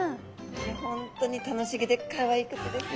本当に楽しげでかわいくてですね